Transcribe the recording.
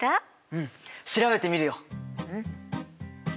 うん調べてみるよ！